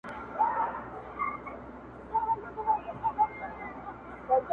لکه نه وم په محفل کي نه نوبت را رسېدلی -